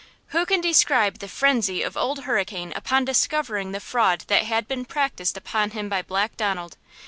Who can describe the frenzy of Old Hurricane upon discovering the fraud that had been practised upon him by Black Donald?